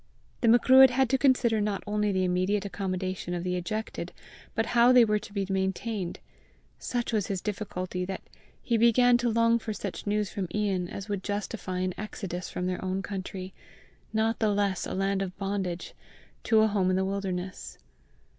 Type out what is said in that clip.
The Macruadh had to consider not only the immediate accommodation of the ejected but how they were to be maintained. Such was his difficulty that he began to long for such news from Ian as would justify an exodus from their own country, not the less a land of bondage, to a home in the wilderness.